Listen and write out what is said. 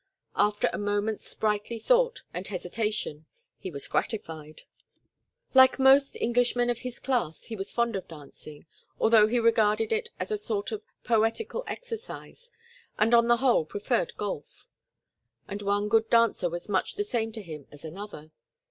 After a moment's sprightly thought and hesitation he was gratified. Like most Englishmen of his class he was fond of dancing, although he regarded it as a sort of poetical exercise, and on the whole preferred golf; and one good dancer was much the same to him as another.